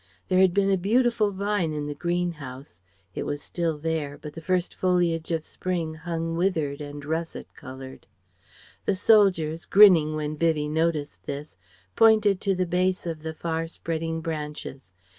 There had been a beautiful vine in the greenhouse. It was still there, but the first foliage of spring hung withered and russet coloured. The soldiers, grinning when Vivie noticed this, pointed to the base of the far spreading branches.